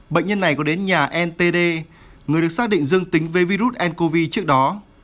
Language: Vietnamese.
bệnh nhân này có đến nhà ntd người được xác định dương tính với virus ncov trước đó